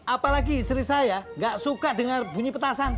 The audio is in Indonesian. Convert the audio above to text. apalagi istri saya gak suka dengan bunyi petasan